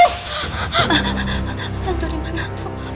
hantu dimana tante